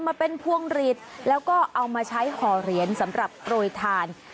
มาเป็นพวงหลีดแล้วก็เอามาใช้ห่อเหรียญสำหรับโปรยทาน